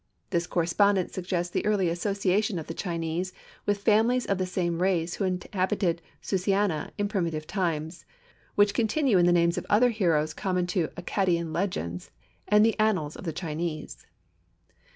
This correspondence suggests the early association of the Chinese with the families of the same race who inhabited Susiana in primitive times, which continue in the names of other heroes common to Accadian legends and the annals of the Chinese.